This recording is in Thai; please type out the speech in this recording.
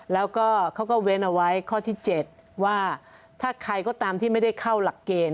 แล้วก็เขาก็เว้นเอาไว้ข้อที่๗ว่าถ้าใครก็ตามที่ไม่ได้เข้าหลักเกณฑ์